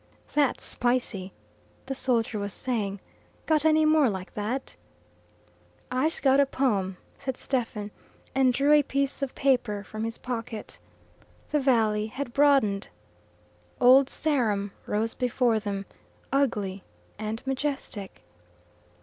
"That's spicy!" the soldier was saying. "Got any more like that?" "I'se got a pome," said Stephen, and drew a piece of paper from his pocket. The valley had broadened. Old Sarum rose before them, ugly and majestic.